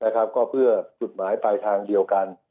ก็เพื่อจุดหมายไปทางเดียวกัน